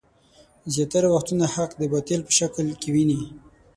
زياتره وختونه حق د باطل په شکل کې ويني.